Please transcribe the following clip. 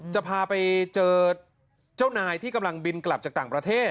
จะพาไปเจอเจ้านายที่กำลังบินกลับจากต่างประเทศ